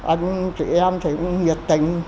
anh chị em thì cũng nhiệt tình